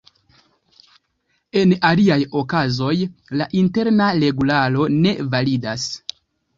En aliaj okazoj, la Interna Regularo ne validas.